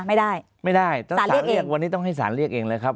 ไม่ได้ไม่ได้ถ้าสารเรียกวันนี้ต้องให้สารเรียกเองเลยครับ